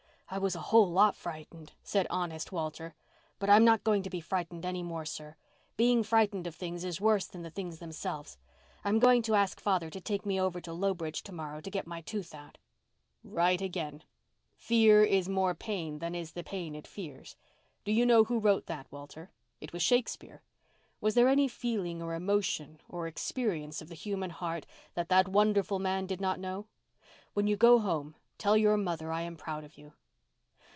"I was a whole lot frightened," said honest Walter. "But I'm not going to be frightened any more, sir. Being frightened of things is worse than the things themselves. I'm going to ask father to take me over to Lowbridge to morrow to get my tooth out." "Right again. 'Fear is more pain than is the pain it fears.' Do you know who wrote that, Walter? It was Shakespeare. Was there any feeling or emotion or experience of the human heart that that wonderful man did not know? When you go home tell your mother I am proud of you."